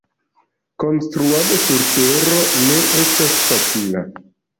Konstruado sur la tero ne estas facila.